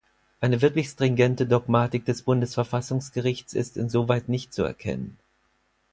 Eine wirklich stringente Dogmatik des Bundesverfassungsgerichts ist insoweit nicht zu erkennen.